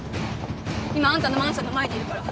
今あんたのマンションの前にいるから。